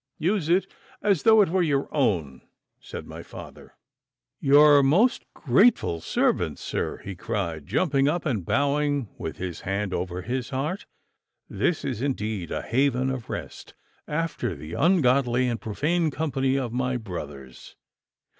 'Use it as though it were your own,' said my father. 'Your most grateful servant, sir,' he cried, jumping up and bowing with his hand over his heart. 'This is indeed a haven of rest after the ungodly and profane company of my brothers.